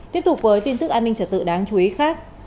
tiếp tục với tin tức an ninh trở tự đáng chú ý khác